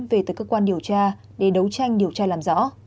về tới cơ quan điều tra để đấu tranh điều tra làm rõ